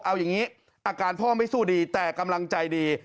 เอาอย่างนี้อาการพ่อไม่สู้ดีแต่กำลังใจดี